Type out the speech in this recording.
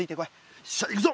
よっしゃ行くぞ。